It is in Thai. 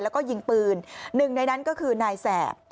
แล้วก็ยิงปืนหนึ่งในนั้นก็คือนายแสบ